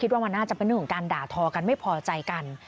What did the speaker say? ว่ามันน่าจะเป็นเรื่องของการด่าทอกันไม่พอใจกัน